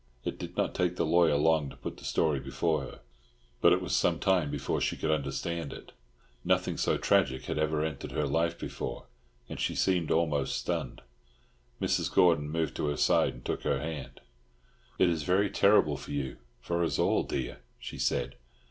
It did not take the lawyer long to put the story before her: but it was some time before she could understand it. Nothing so tragic had ever entered her life before, and she seemed almost stunned. Mrs. Gordon moved to her side and took her hand. "It is very terrible for you—for us all, dear," she said.